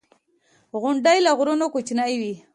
• غونډۍ له غرونو کوچنۍ وي.